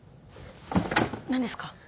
何ですか？